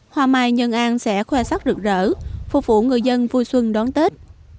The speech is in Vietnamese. hoa mai nhân an sẽ khoa sát rực rỡ phục vụ người dân vui xuân đón tết